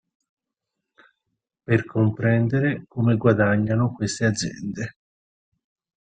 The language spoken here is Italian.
Per comprendere come guadagnano queste aziende.